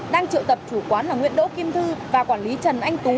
đang triệu tập chủ quán là nguyễn đỗ kim thư và quản lý trần anh tú